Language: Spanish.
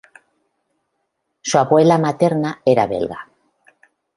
Su abuela materna era belga.